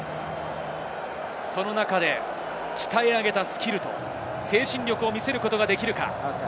その中で鍛え上げたスキルと精神力を見せることができるか。